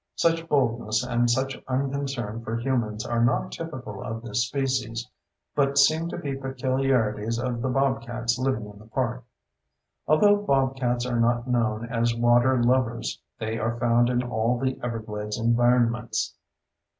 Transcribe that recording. Such boldness and such unconcern for humans are not typical of this species, but seem to be peculiarities of the bobcats living in the park. Although bobcats are not known as water lovers, they are found in all the Everglades environments.